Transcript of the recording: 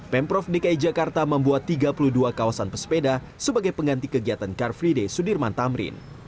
pemprov dki jakarta membuat tiga puluh dua kawasan pesepeda sebagai pengganti kegiatan car free day sudirman tamrin